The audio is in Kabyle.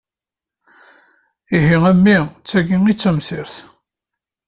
Ihi a mmi d tagi i d tamsirt!